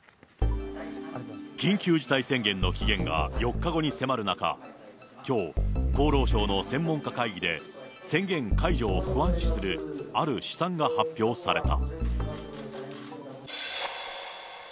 緊急事態宣言の期限が４日後に迫る中、きょう、厚労省の専門家会議で、宣言解除を不安視する、ある試算が発表された。